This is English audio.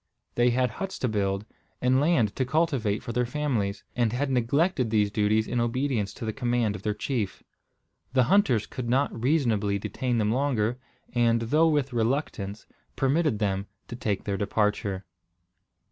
They had huts to build, and land to cultivate for their families, and had neglected these duties in obedience to the command of their chief. The hunters could not reasonably detain them longer, and, though with reluctance, permitted them to take their departure.